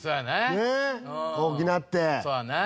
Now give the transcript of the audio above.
ねえ大きなって。